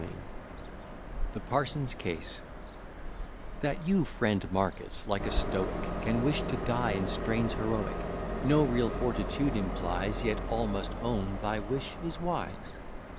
B._] THE PARSON'S CASE That you, friend Marcus, like a stoic, Can wish to die in strains heroic, No real fortitude implies: Yet, all must own, thy wish is wise.